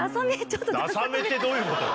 「ダサめ」ってどういうことだ？